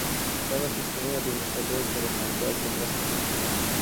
دغه سیسټمونه د یوې مسئلې په روښانتیا کې مرسته کوي.